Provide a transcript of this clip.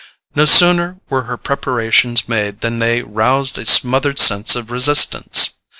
No sooner were her preparations made than they roused a smothered sense of resistance.